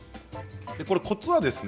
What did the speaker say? コツはですね